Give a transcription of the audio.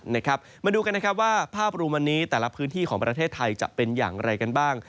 มาดูกันนะครับว่าภาพรวมวันนี้แต่ละพื้นที่ของประเทศไทยจะเป็นอย่างไรกันบ้าง